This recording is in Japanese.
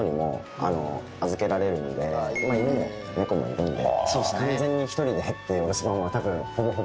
犬も猫もいるんで。